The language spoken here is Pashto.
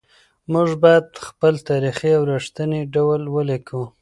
موږ بايد خپل تاريخ په رښتيني ډول ولېکو.